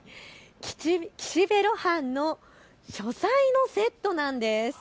岸辺露伴の書斎のセットなんです。